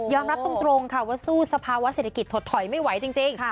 รับตรงค่ะว่าสู้สภาวะเศรษฐกิจถดถอยไม่ไหวจริง